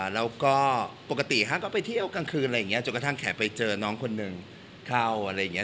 แล้วก็ปกติห้างก็ไปเที่ยวกลางคืนอะไรอย่างนี้จนกระทั่งแขกไปเจอน้องคนหนึ่งเข้าอะไรอย่างนี้